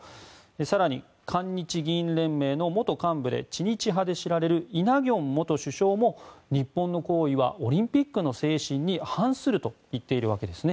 更に、韓日議員連盟の元幹部で知日派で知られるイ・ナギョン元首相も日本の行為はオリンピックの精神に反すると言っているわけですね。